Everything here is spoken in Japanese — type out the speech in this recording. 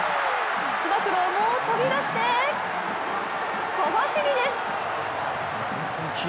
つば九郎も飛び出して小走りです。